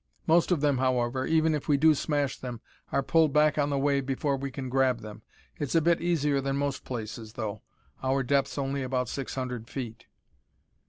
Most of them, however, even if we do smash them, are pulled back on the wave before we can grab them. It's a bit easier than most places, though: our depth's only about six hundred feet."